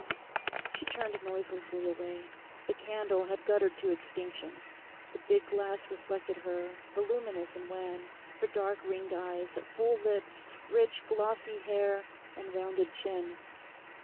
She turned noiselessly away. The candle had guttered to extinction. The big glass reflected her, voluminous and wan, her dark ringed eyes, full lips, rich, glossy hair, and rounded chin.